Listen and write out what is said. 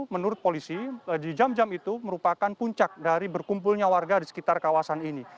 menurut polisi di jam jam itu merupakan puncak dari berkumpulnya warga di sekitar kawasan ini